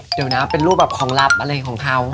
เดี๋ยวนะเป็นรูปแบบของลับอะไรของเขา